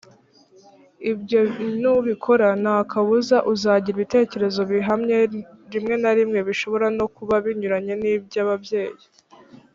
ibyo nubikora nta kabuza uzagira ibitekerezo bihamye rimwe na rimwe bishobora no kuba binyuranye n iby ababyeyi